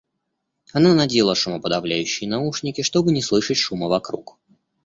Она надела шумоподовляющие наушники, чтобы не слышать шума вокруг.